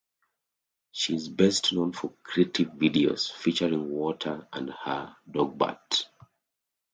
She's best known for creative videos featuring water and her dog Bert.